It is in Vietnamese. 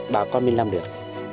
bà con mình làm được